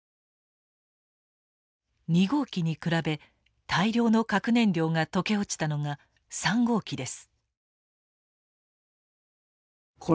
２号機に比べ大量の核燃料が溶け落ちたのが３号機です。